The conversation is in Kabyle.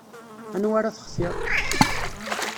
Anwa ara textir?